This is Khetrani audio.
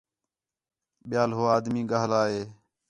ٻِیال ہو آدمی ڳاھلا ہِے